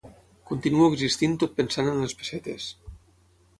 Continuo existint tot pensant en les pessetes.